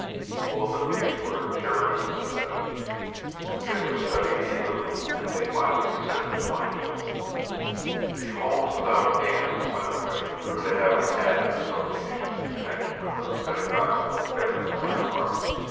Both of these were cherished possessions. They were studied eagerly; and they finally descended to my children. The "Homes Without Hands," by the way, grew to have an added association in connection with a pedagogical failure on my part.